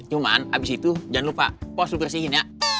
cuman abis itu jangan lupa pos lu krisihin ya